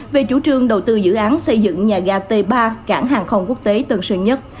về chủ trương đầu tư dự án xây dựng nhà ga t ba